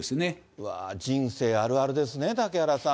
うわー、人生あるあるですね、嵩原さん。